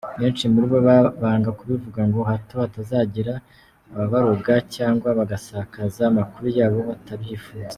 Benshi muri bo banga kubivuga ngo hato hatazagira ababaroga cyangwa bagasakaza amakuru yabo batabyifuza.